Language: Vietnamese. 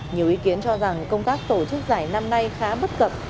nhiều ý kiến cho rằng công tác tổ chức giải năm nay khá bất cập